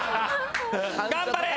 頑張れ！